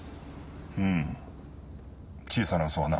うん小さな嘘はな。